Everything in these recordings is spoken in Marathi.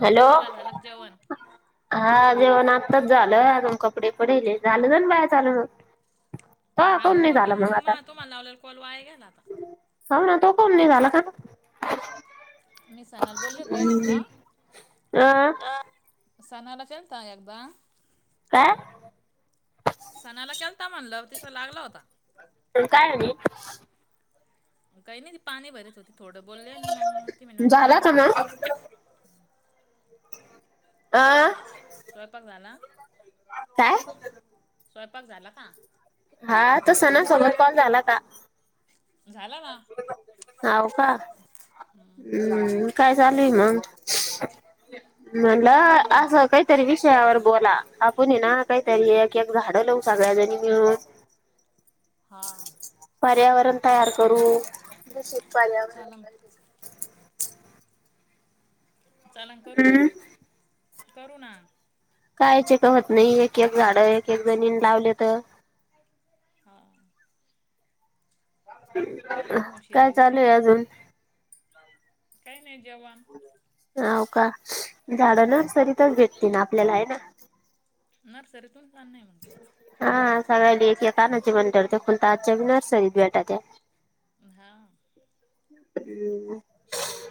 हॅलो? बोला झालं का जेवण हा जेवण आत्ताच झालं, अजून कपडे पडेले झालं ना बाहेर चालू. तो हाओ, काऊन नाही झाला पण मग मगं आता महा तुम्हाला लावलेला कॉल, वाया गेला आता. हाव ना तो काऊण नाही झाला का ना? मी सनाला बोले होतें पहिल्यांदा अ सणाला केलता, एकदा. काय. सणाला केलता म्हणलं, तिचा लागला होता. पण काय मनी? काही नाही ती पाणी भरीत होती थोडं, बोलले मग ती म्हने मला झाला पाणी का मग भरायच आहे म. अं? स्वयंपाक झाला? काय? स्वयंपाक झाला का? हा तो सणासोबत कॉल झाला का? झाला ना हव का हम्म. काय चाल मग काही मलं नाही असं काय. तरी विषयावर बोला आपण ये ना काहीतरी की एक झाडं लावू सगळ्याजणी मिळून. हा हा. पर्यावरण तयार करू दूषित आल्यावर. चालन चाला करू ना हम्म करू ना. कायचे होत नाही एक एक झाडं एक एक जणीन लावले तर. हा. लोक पण काय शेती विषय चालू आहे करू अजून काहीतरी नाही जवाण. होव का झाड हम्म. ना सताच घेततील ना आपल्याला आहे ना. नर्सरीतून छान नाही म्हणतेबा. हा सगळ्या ल कानाचे म्हण ठरते फुलत आजच्या नर्सरीत बेटा त्या. हा. हम्म.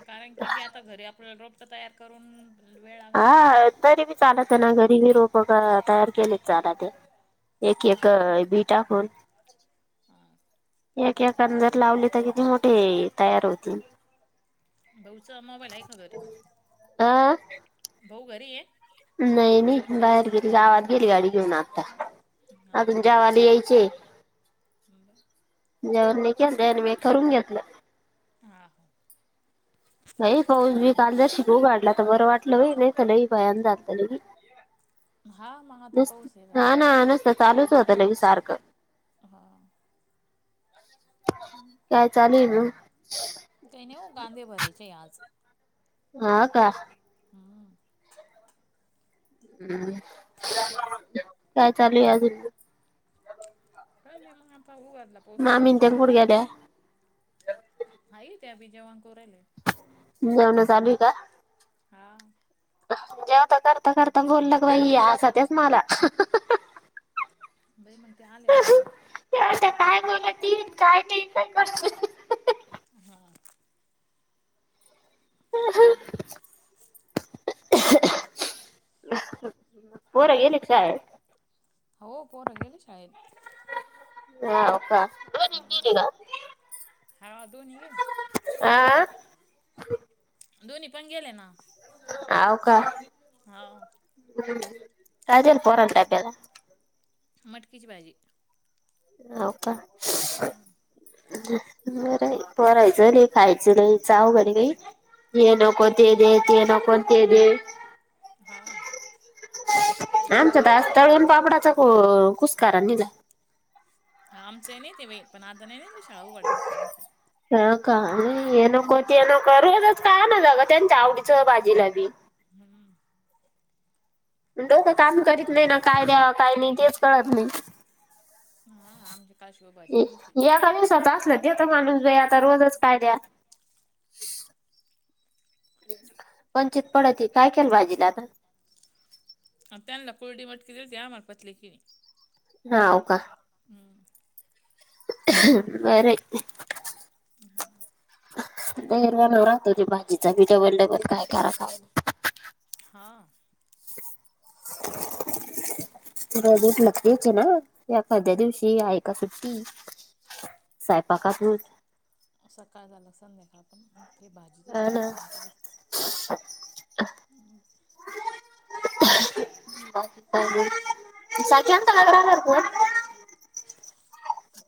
कारण की ते आता घरी आपल्याला रोपट तयार करून. वेळ लागेल ना हा लावायला. तरी मी चालत ना घरीबी रोपग तयार केले झाला ते. एक एक बी टाकून. ह एक एका जर लावली तर किती मोठे तयार होती. भाऊचा मोबाईल आहे का घरी. आह. भाऊ घरी आहे. नाही नाही बाहेर गेली गावात गेली गाडी घेऊन आता. हा. खाली यायचेय. ह बर. जेव नाही के [unintelligible] आणि मी करून घेतलं. आ हा. नाही पाह मी काल जर शिकव कााढला तर बरं वाटलंई नाही तर ली पायान झालत लगी. हां मग आता नस पाऊस हे झाला आना आना नसत चालूच होतं लई सारख. हा. काय चालेल हाय ना. काही नाही हो गांदे भरायचे आज. हा का. हम्म. हम काय चालू आहे अजून. काही नाही मग आता ऊघाला पाऊस थोडा मामीन मग त्या कुठं कांदे ब गेल्या हाई त्या बीजेवन करू रहिलेत. जेवण चालू हाय का. हा. जेवता करता करता बोललं क बाई असा तेच मला. बाई मग ते आलेतना काय करा. ते काय बोललं ती काय ते बी इतच बस. हा. ह. पोर येलीत का शाळा. अहव पोर गेलीत शाळेत. हा ओका. हम्म हा दोनी गेल्यात. आ. दोन्ही पण गेले ना आव का? हाव काय देल पोराला त्यात मटकीची भाजी हव का? हम्म बरय बरायचं र खायचं नाही जाऊ घरी काही हे हा नको ते दे ते नको ते दे हा आमच्यात आज तळून पापडाचा कुसकारा निला हा आमचं आहे नाही, ते पण आता नही शाळा उघाड्यापासन हा का हे नको ते नको रोजच काय ना जा त्यांच्या आवडीचं भाजीला बी हम्म डोकं काम करीत नाही ना, काय द्याव काय नाही तेच कळत नाही. हा आमच् एका दिवसाच असल देतं माणूस बया, आता रोजच काय द्या? पंचिती पडती काय केल भाजीला आता ह त्यानला कुरडी मटकी दीलती आम्हाला पतली केली. हा हो का हम्म बर आय की हा बहेरवान राहतो ते भाजीचा बी, डबल डबल काय करावं. हां रजेत लगतेच ना यकाद्या दिवशी आहे का सुट्टी? साहेपाकातून सकाळ झालं संध्याकाळ पण ते भाजीचंच हा ना टेन्शन येतं जास्त हं सख्यात काॅल केला [unintelligible]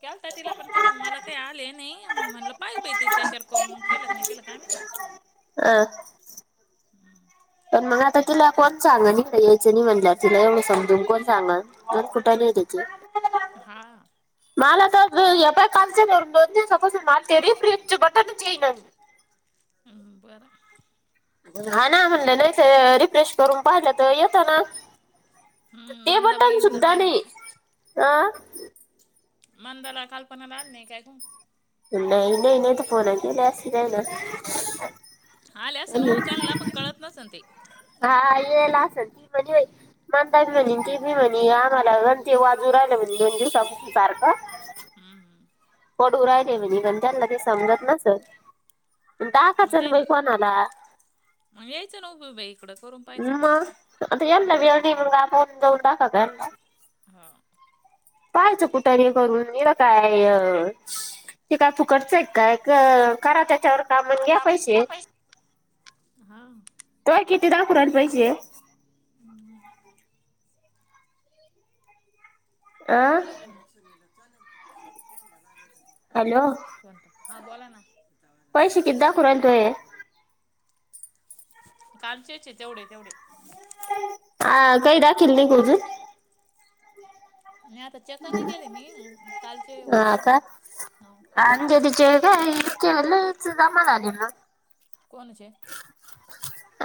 केलता तिला पण ती बी मला काही आले नाही म्हटलं पाहि बाहि ते त्याचार करून मग केलं नाही केलं का काय महिती ह हम तर मग आता तिला कोण सांग इत यायचं नाही म्हटलं तिला एवढं समजून कोण सांगल? दोन कुठाले त्याच हा माल आता या कलच सपोस माल तेरी फ्रडज बटणचेण हम्म बरं हा ना म्हणले नाथ रिफ्रेश करून पाहिलं तर येतो ना. हम्म ते बटन मंदाबाईला सुद्धा त्यांला नाही, हा. अं मंदाला, काल्पना ला आल नाही काय का? इ नाही नाही नाही तर फोनच दिले असते त्याना आल्या आसनव ते पण त्यांला पक्कळत नसन ते. हा येयला असेल ती म्हणजे म्हणता म्हणे हम्म ती म म्हणे आम्हाला गण ते वाजू राहिलं म्हणे दोन दिवस सारखं हम हम पण उ रायले म्हणे पण त्यांना ते समजत नसन पण मग टाकाचन ते बाई मग कोणाला यायचं ना उभी बाई इकडं करून पाहायचं मग कुठं आता मानला वेळ नाही म्हणून आपण जाऊ टा का याचा हा पाहाचं कुठारी करून निर काय? ते काय फुकडचंय काय करा त्याच्यावर कामण घ्या पैसे हा. तोय किती दाखवरायला पाहिजे. हम्म. आं. सनीलं चाल का त्याला लागत हो. हॅलो. कोणत हा बोला ना. पैसे किदा कररायल तोय काांचेच तेवढे तेवढे. ह काय ाकील निघूच. नाही आता चेक नाही गेले मी कालचे होते तेवढेच. अजरीचे हे इकल इच समाधान ना. कोणचे?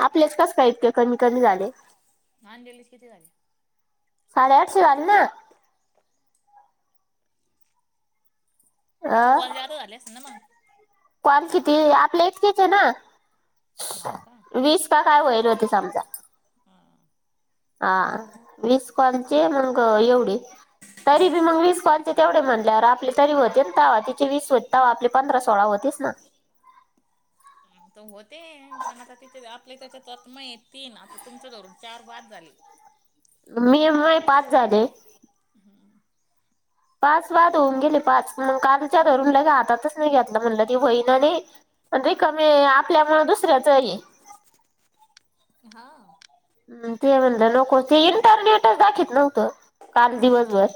आपल्याच कस का इतके कमी कमी झाले. नाहान गेलीस किती झाले. साडे आठशे वाली ना. तिची कॉल जा झाली अस ना मग कण किती आपले इतकीच आहे ना हा का वीस का काय वईल होतीस आमज ह. हा वीस कोांची मग एवढी तरी बी मग वीस कोॉलचे तेवढे म्हटलेर आपले तरी होते ता तिचे वीस होते त आपले. पंधरा सोळा होतीस ना. तर होते पण आता तिच्या आपले त्याच्यातत् मय तीन आता तुमचं धरून चार वाद झाली. मी एमय पाच झाले. हा. पाच वाद होऊन गेले पाच मग कालच्या हा धरून ल गे आातातच नाही घेतलं म्हणलं ती बहीण नाही. आणिण रे कमी आपल्यामुळे दुसऱ्याच आहे. हा. ते म्हणलं नको ते इंटरनेटच दाखत नव्हतं काल हा हा दिवसभर